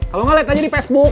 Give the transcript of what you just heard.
kalau nggak lihat aja di facebook